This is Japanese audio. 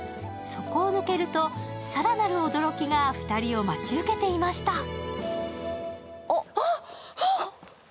そこを抜けると更なる驚きが２人を待ち受けていました。